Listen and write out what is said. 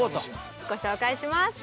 ご紹介します。